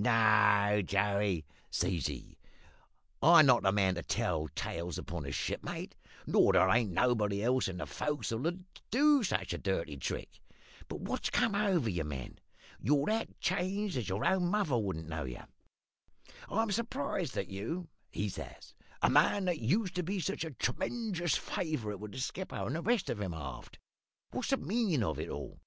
"`No, Joey,' says he, `I'm not the man to tell tales upon a shipmate; nor there ain't nobody else in the fo'c's'le as'll do such a dirty trick. But what's come over ye, man? You're that changed as your own mother wouldn't know ye. I'm surprised at you,' he says `a man that used to be such a tremenjous favourite with the skipper and the rest of 'em aft. What's the meanin' of it all?'